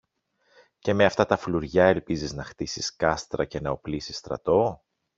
Και με αυτά τα φλουριά ελπίζεις να χτίσεις κάστρα και να οπλίσεις στρατό;